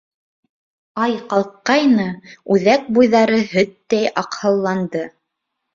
Ай ҡалҡҡайны, үҙәк буйҙары һәттәй аҡһылланды.